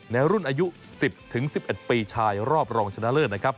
ในรุ่นอายุสิบถึงสิบเอ็ดปีชายรอบรองชนะเลิศนะครับ